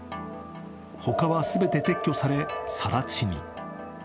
ほかは全て撤去され、更地に。